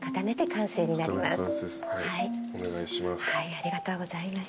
お願いします。